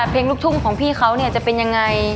เพลงลูกทุ่งของพี่เขาเนี่ยจะเป็นยังไง